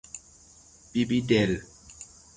بیبی دل